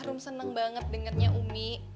rum seneng banget dengernya umi